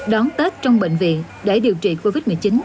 đón tết trong bệnh viện để điều trị covid một mươi chín